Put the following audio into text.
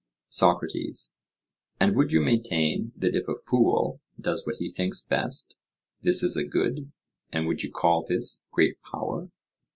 SOCRATES: And would you maintain that if a fool does what he thinks best, this is a good, and would you call this great power?